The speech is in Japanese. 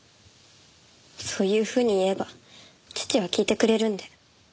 そういうふうに言えば父は聞いてくれるんで。